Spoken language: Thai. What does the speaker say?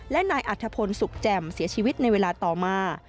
และนายอัธพลสุขแจ่มเสียชีวิตในเวลาต่อมา